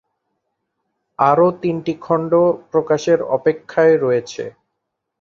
আরও তিনটি খণ্ড প্রকাশের অপেক্ষায় রয়েছে।